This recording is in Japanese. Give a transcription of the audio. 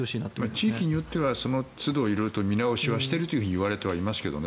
地域によってはそのつど色々と見直しはしていると言われてはいますけどね。